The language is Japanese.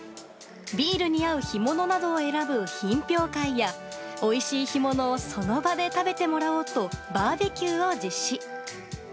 ビールに合う干物などを選ぶ品評会や、おいしい干物をその場で食べてもらおうと、バーベキューを実施。